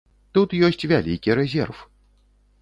Тут ёсць вялікі рэзерв.